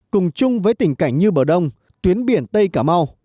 cùng chung với tình cảnh như bờ đông tuyến biển tây cà mau